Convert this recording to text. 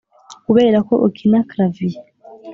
kuberako ukina clavier.